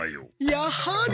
やはり！